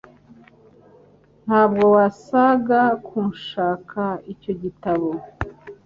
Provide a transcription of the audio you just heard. Ntabwo wasaga nkushaka icyo gitabo